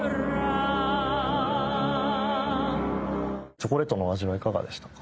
チョコレートの味はいかがでしたか？